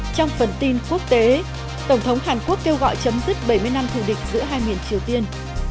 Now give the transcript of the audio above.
tổng thống hàn quốc kêu gọi chấm dứt bảy mươi năm thù địch giữa hai miền triều tiên